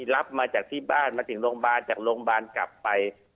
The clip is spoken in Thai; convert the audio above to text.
รับมาจากที่บ้านมาถึงโรงพยาบาลจากโรงพยาบาลกลับไป